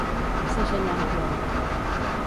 Segellar amb plom.